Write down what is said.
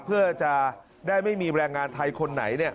เพื่อจะได้ไม่มีแรงงานไทยคนไหน